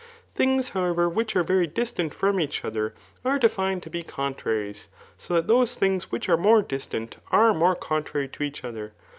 Things, however, which are very distant from each other, are defined to be contraries j so that those things which are more distant are more contrary to each other.